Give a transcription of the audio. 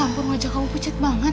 ya ampun wajah kamu pucet banget